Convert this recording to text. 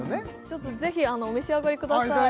ちょっとぜひお召し上がりください